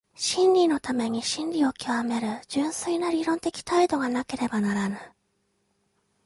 真理のために真理を究める純粋な理論的態度がなければならぬ。